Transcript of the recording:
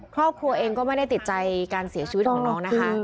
ครอบครัวเองก็ไม่ได้ติดใจการเสียชีวิตของน้องนะคะ